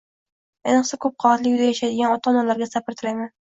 Ayniqsa, koʻp qavatli uyda yashaydigan ota-onalarga sabr tilayman